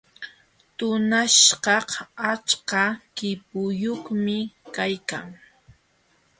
Tunaśhkaq achka qipuyuqmi kaykan.